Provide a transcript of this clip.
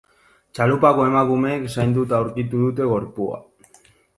Txalupako emakumeek zainduta aurkitu dute gorpua.